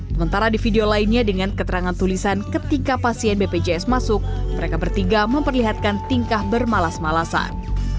sementara di video lainnya dengan keterangan tulisan ketika pasien bpjs masuk mereka bertiga memperlihatkan tingkah bermalas malasan